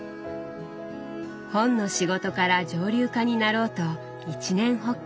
本の仕事から蒸留家になろうと一念発起。